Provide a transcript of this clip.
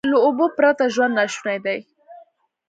له اوبو پرته ژوند ناشونی دی.